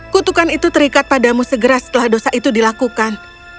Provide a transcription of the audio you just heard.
kutukan itu terikat padamu segera setelah dosa itu dilakukan